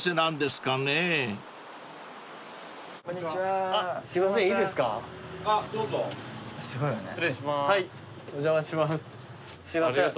すいません。